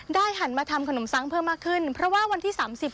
หันมาทำขนมซังเพิ่มมากขึ้นเพราะว่าวันที่สามสิบ